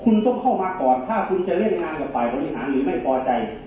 คุณต้องเข้ามาก่อนถ้าคุณจะเล่นงานกับฝ่ายบริหารหรือไม่พอใจ